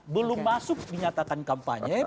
belum masuk dinyatakan kampanye